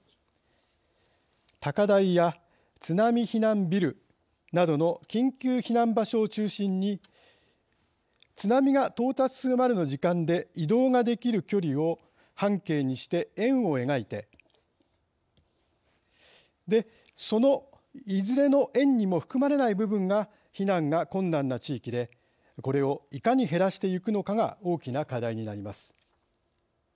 高台や津波避難ビルなどの緊急避難場所を中心に津波が到達するまでの時間で移動ができる距離を半径にして円を描いてそのいずれの円にも含まれない部分が避難が困難な地域でこれをいかに減らしていくのかが大きな課題になります。